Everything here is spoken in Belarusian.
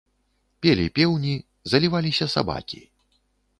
Пелі пеўні, заліваліся сабакі.